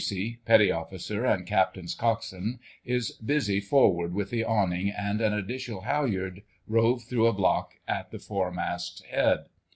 Casey, Petty Officer and Captain's Coxswain, is busy forward with the awning and an additional halliard rove through a block at the foremast head.